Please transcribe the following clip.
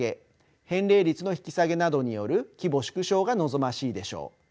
返礼率の引き下げなどによる規模縮小が望ましいでしょう。